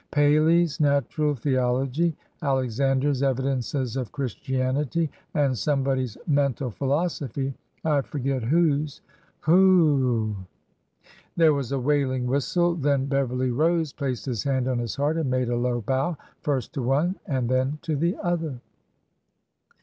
" Paley's ' Natural Theology,' Alexander's ' Evidences of Christianity,' and somebody's ' Mental Philosophy '— I forget whose." Whew w w !" There was a wailing whistle. Then Beverly rose, placed his hand on his heart, and made a low bow— first to one, and then to the other.